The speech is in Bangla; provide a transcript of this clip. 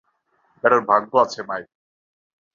ব্যাটার ভাগ্য আছে মাইরি!